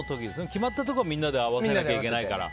決まったところは、みんなで合わせなきゃいけないから。